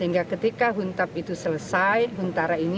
ini kan hunian sementara